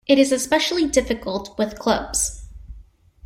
It is especially difficult with clubs.